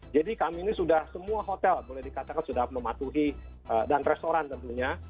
jadi kami ini sudah semua hotel boleh dikatakan sudah mematuhi dan restoran tentunya